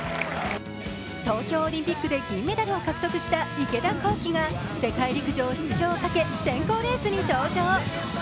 東京オリンピックで銀メダルを獲得した池田向希が世界陸上出場をかけ、選考レースに登場。